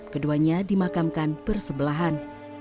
keduanya dimakamkan bersebelahan